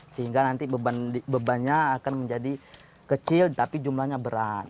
sehingga nanti bebannya akan menjadi kecil tapi jumlahnya berat